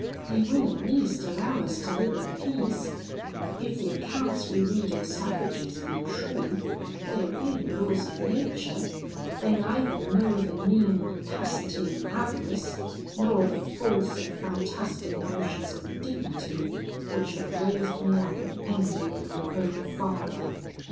They will, at least, allow us to live in peace. If the accounts we read of savages be true, they obey the laws of nature: they neither know the mean rapacity of avarice, nor the false and fantastic notions of dignity, which have raised me up an enemy in my own father.